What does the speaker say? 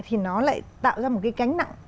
thì nó lại tạo ra một cái cánh nặng